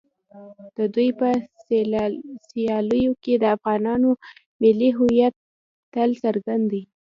د دوی په سیالیو کې د افغانانو ملي هویت تل څرګند دی.